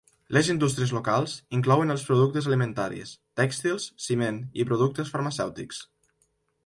Les indústries locals inclouen els productes alimentaris, tèxtils, ciment i productes farmacèutics.